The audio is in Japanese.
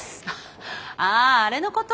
ああれのこと？